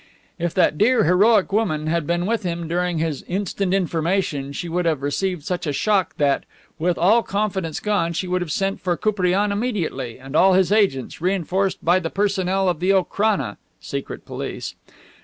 If that dear heroic woman had been with him during this "instant information" she would have received such a shock that, with all confidence gone, she would have sent for Koupriane immediately, and all his agents, reinforced by the personnel of the Okrana (Secret Police).